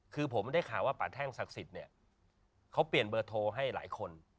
คือผมได้ข่าวว่าป่าแท่งศักดิ์สิทธิ์เนี่ยเขาเปลี่ยนเบอร์โทรให้หลายคน